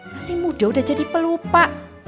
masih muda udah jadi pelupa